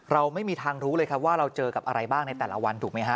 เราไม่มีทางรู้เลยครับว่าเราเจอกับอะไรบ้างในแต่ละวันถูกไหมฮะ